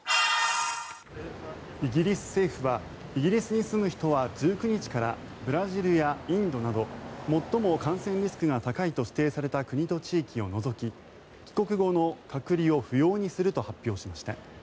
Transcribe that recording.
イギリス政府はイギリスに住む人は１９日からブラジルやインドなど最も感染リスク高いと指定された国と地域を除き帰国後の隔離を不要にすると発表しました。